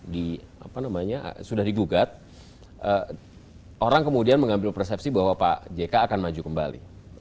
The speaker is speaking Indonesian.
di apa namanya sudah digugat orang kemudian mengambil persepsi bahwa pak jk akan maju kembali